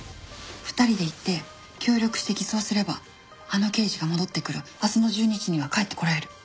２人で行って協力して偽装すればあの刑事が戻ってくる明日の１２時には帰ってこられる。